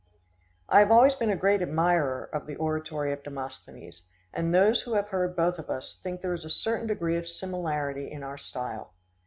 I have always been a great admirer of the oratory of Demosthenes, and those who have heard both of us, think there is a certain degree of similarity in our style.